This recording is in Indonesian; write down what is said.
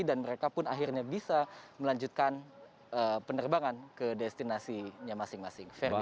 dan mereka pun akhirnya bisa melanjutkan penerbangan ke destinasi masing masing